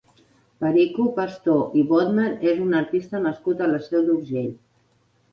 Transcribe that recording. Perico Pastor i Bodmer és un artista nascut a la Seu d'Urgell.